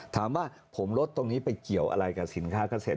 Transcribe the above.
ถามว่าผมลดตรงนี้ไปเกี่ยวอะไรกับสินค้าเกษตร